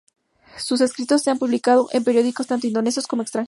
Sus escritos se han publicado en periódicos tanto indonesios como extranjeros.